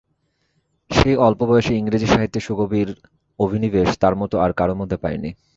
সেই অল্প বয়সে ইংরেজি সাহিত্যে সুগভীর অভিনিবেশ তাঁর মতো আর কারো মধ্যে পাই নি।